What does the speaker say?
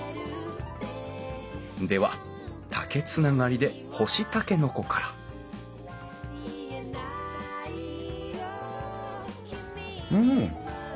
では竹つながりで干しタケノコからうん！